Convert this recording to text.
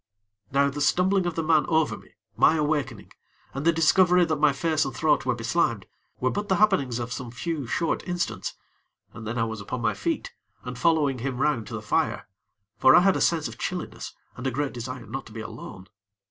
Now the stumbling of the man over me, my awakening, and the discovery that my face and throat were be slimed, were but the happenings of some few, short instants; and then I was upon my feet, and following him round to the fire; for I had a sense of chilliness and a great desire not to be alone.